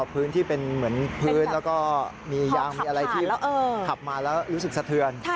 พื้นที่เป็นเหมือนพื้นแล้วก็มียางมีอะไรที่ขับมาแล้วรู้สึกสะเทือน